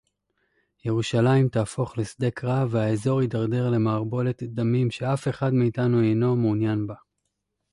ירושלים תהפוך לשדה קרב והאזור יידרדר למערבולת דמים שאף אחד מאתנו אינו מעוניין בה